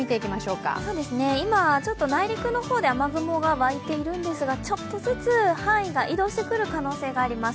今、内陸の方で雨雲がわいているんですがちょっとずつ範囲が移動してくる可能性があります。